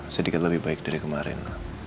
sedikit lebih baik dari kemarin